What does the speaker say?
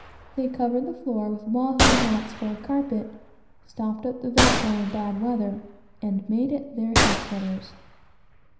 They covered it with Oahu mats, for a carpet; stopped up the vent hole in bad weather, and made it their head quarters.